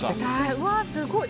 うわ、すごい！